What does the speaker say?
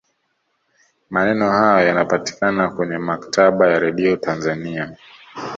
maneno hayo yanapatikana kwenye maktaba ya redio tanzania